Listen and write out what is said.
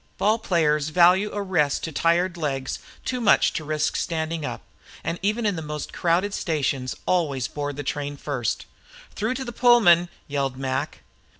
Ball players value a rest to tired legs too much to risk standing up, and even in the most crowded stations always board the train first. "Through to the Pullman!" yelled Mac.